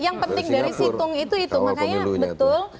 yang penting dari situng itu itu makanya betul